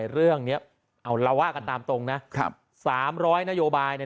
เรื่องนี้เอาเราว่ากันตามตรงนะครับ๓๐๐นโยบายเนี่ย